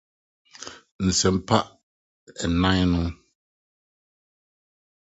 Nsɛmpa nnan no.